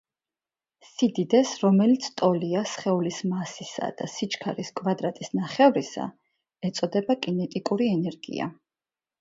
სიდიდეს, რომელიც ტოლია სხეულის მასისა და სიჩქარის კვადრატის ნახევრისა, ეწოდება კინეტიკური ენერგია.